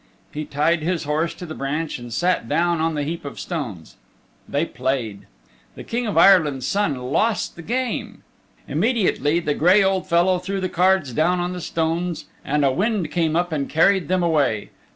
He tied his horse to the branch and sat down on the heap of stones. They played. The King of Ireland's Son lost the game. Immediately the gray old fellow threw the cards down on the stones and a wind came up and carried them away.